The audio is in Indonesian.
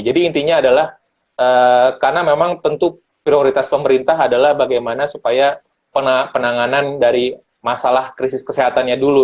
jadi intinya adalah karena memang tentu prioritas pemerintah adalah bagaimana supaya penanganan dari masalah krisis kesehatannya dulu